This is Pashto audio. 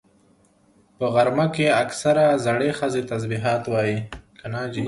په غرمه کې اکثره زړې ښځې تسبيحات وایي